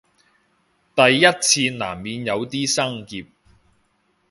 第一次難免有啲生澀